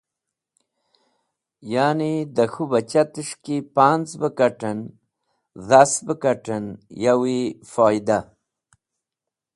Ya’ni da k̃hũ bachates̃h ki panz̃ be kat̃en, dhases̃h be kat̃en, yowi foyda.